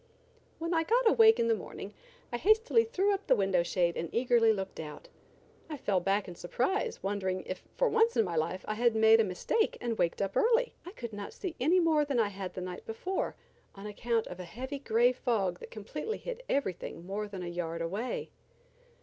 When I got awake in the morning I hastily threw up the window shade and eagerly looked out. I fell back in surprise, wondering, if for once in my life I had made a mistake and waked up early. I could not see any more than I had the night before on account of a heavy gray fog that completely hid everything more than a yard away.